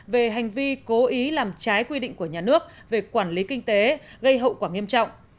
về hành vi cố ý làm trái quy định của nhà nước về quản lý kinh tế gây hậu quả nghiêm trọng